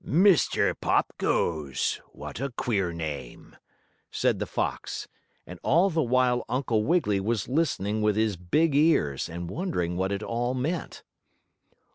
"Mr. Pop Goes! What a queer name," said the fox, and all the while Uncle Wiggily was listening with his big ears, and wondering what it all meant.